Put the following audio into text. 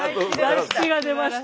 大吉が出ました。